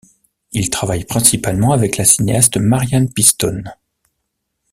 Il travaille principalement avec la cinéaste Marianne Pistone.